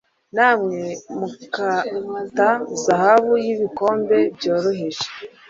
Namwe mukata zahabu yibikombe byoroheje